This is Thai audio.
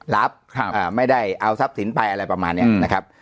รับครับอ่าไม่ได้เอาทรัพย์สินไปอะไรประมาณเนี้ยอืมนะครับ